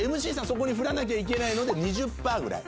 そこに振らなきゃいけないので２０％ぐらい。